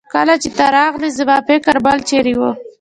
کله چې ته راغلې زما فکر بل چيرې وه.